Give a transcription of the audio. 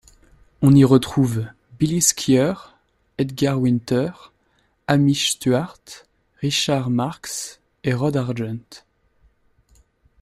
On y retrouve Billy Squier, Edgar Winter, Hamish Stuart, Richard Marx et Rod Argent.